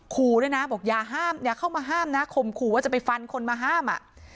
ขู่ด้วยนะบอกอย่าห้ามอย่าเข้ามาห้ามนะข่มขู่ว่าจะไปฟันคนมาห้ามอ่ะ